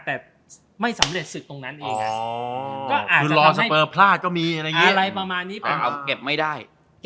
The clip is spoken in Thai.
แต่ไม่สำเร็จศึกตรงนั้นเองค่ะอะไรประมาณนี้อ้าวเก็บไม่ได้